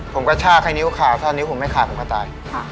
ผมกระชากให้นิ้วขาดถ้านิ้วผมไม่ขาดผมก็ตาย